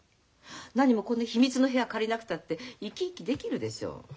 なにもこんな秘密の部屋借りなくたって生き生きできるでしょう。